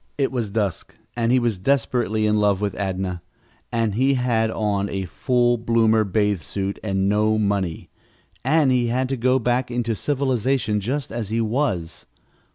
It was dusk, and he was desperately in love with Adnah, and he had on a fool bloomer bath suit and no money, and he had to go back into civilization just as he was.